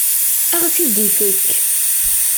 Ad aɣ-t-id-ifek.